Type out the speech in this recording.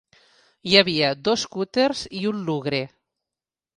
Hi havia dos cúters i un lugre.